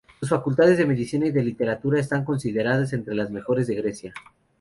Sus facultades de medicina y de literatura están consideradas entre las mejores de Grecia.